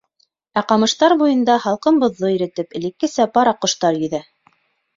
Ә ҡамыштар буйында, һалҡын боҙҙо иретеп, элеккесә пар аҡҡош йөҙә!